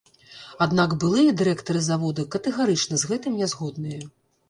Аднак былыя дырэктары завода катэгарычна з гэтым не згодныя.